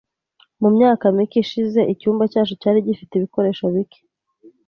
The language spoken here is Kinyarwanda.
Mu myaka mike ishize, icyumba cyacu cyari gifite ibikoresho bike .